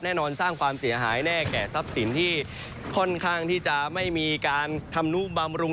แน่นอนสร้างความเสียหายแน่แก่ทรัพย์สินที่ค่อนข้างที่จะไม่มีการทำนุบำรุง